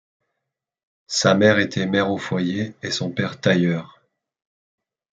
Sa mère était mère au foyer et son père tailleur.